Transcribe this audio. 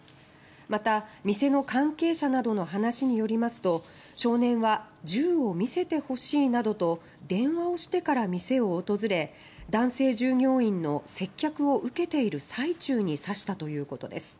また店の関係者などの話によりますと少年は「銃を見せてほしい」などと電話をしてから店を訪れ男性従業員の接客を受けている最中に刺したということです。